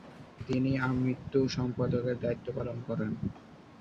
তিনি আমৃত্যু সম্পাদকের দায়িত্ব পালন করেন।